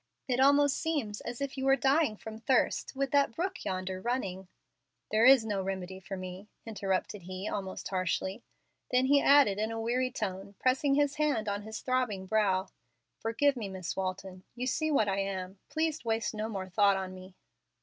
It almost seems as if you were dying from thirst with that brook yonder running " "There is no remedy for me," interrupted he, almost harshly. Then he added in a weary tone, pressing his hand on his throbbing brow, "Forgive me, Miss Walton; you see what I am. Please waste no more thought on me."